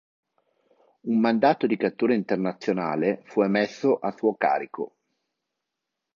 Un mandato di cattura internazionale fu emesso a suo carico.